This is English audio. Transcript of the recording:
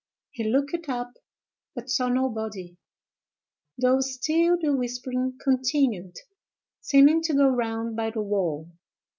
He looked up, but saw nobody, though still the whispering continued, seeming to go round by the wall.